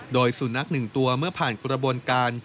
โดยสุนัข๑ตัวเมื่อผ่านกระบวนการ